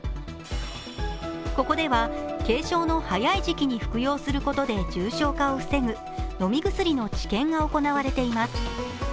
ここでは軽症の早い時期に服用することで重症化を防ぐ飲み薬の治験が行われています。